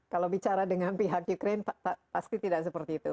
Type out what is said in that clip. kalau bicara dengan pihak ukraine pasti tidak seperti itu